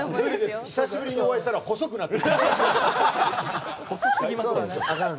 久しぶりにお会いしたら細くなってますよ。